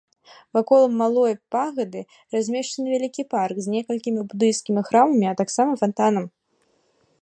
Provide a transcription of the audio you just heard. Вакол малой пагады размешчаны вялікі парк з некалькімі будыйскімі храмамі, а таксама фантанам.